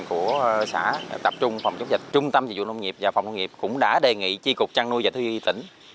các xã tập trung phòng dịch trung tâm dịch vụ nông nghiệp và phòng nông nghiệp cũng đã đề nghị tri cục trang nui và thúy tỉnh